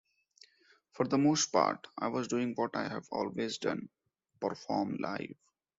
For the most part, I was doing what I have always done...perform live.